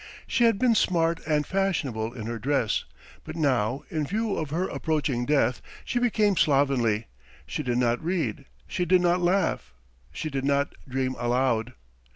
She had been smart and fashionable in her dress, but now in view of her approaching death she became slovenly; she did not read, she did not laugh, she did not dream aloud.